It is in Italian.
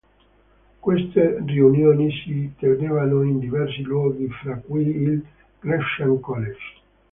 Queste riunioni si tenevano in diversi luoghi fra cui il "Gresham College".